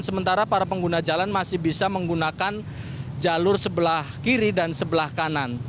sementara para pengguna jalan masih bisa menggunakan jalur sebelah kiri dan sebelah kanan